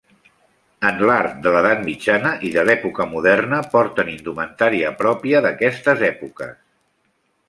En l'art de l'Edat Mitjana i de l'època moderna porten indumentària pròpia d'aquestes èpoques.